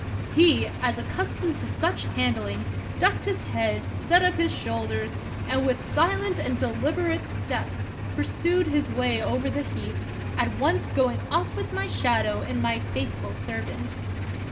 He, as accus tomed to such handling, ducked his head, set up his shoulders, and with silent and deliberate steps of Peter SchlemihL 63 pursued his way over the heath, at once going off with my shadow and my faithful servant.